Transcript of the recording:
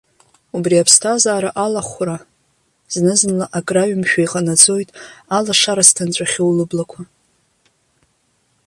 Убри аԥсҭазаара алахәра, зны-зынла акы раҩымшәо иҟанаҵоит алашара зҭынҵәахьоу лыблақәа.